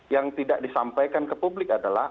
yang tidak disampaikan ke publik adalah